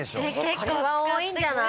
これは多いんじゃない？